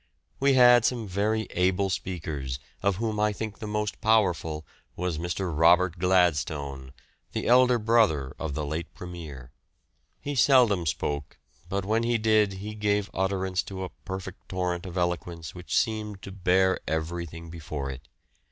We had some very able speakers, of whom I think the most powerful was Mr. Robertson Gladstone, the elder brother of the late Premier. He seldom spoke, but when he did he gave utterance to a perfect torrent of eloquence which seemed to bear everything before it.